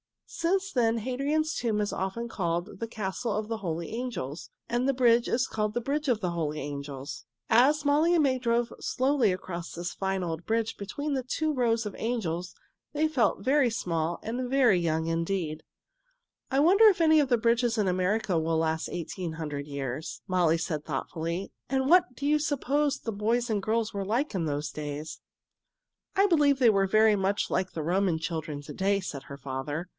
Since then Hadrian's Tomb is often called the Castle of the Holy Angels, and the bridge is called the Bridge of the Holy Angels. [Illustration: The Bridge of the Holy Angels] As Molly and May drove slowly across this fine old bridge between the two rows of angels, they felt very small and very young indeed. "I wonder if any of the bridges in America will last eighteen hundred years," Molly said thoughtfully. "And what do you suppose the boys and girls were like in those days?" "I believe they were very much like the Roman children to day," said her father.